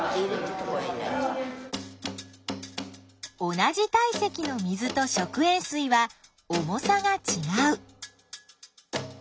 同じ体積の水と食塩水は重さがちがう。